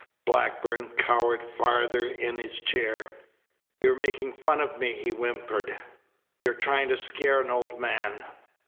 Blackburn cowered farther in his chair. "You're making fun of me," he whimpered. "You're trying to scare an old man."